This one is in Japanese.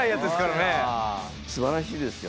すばらしいですよ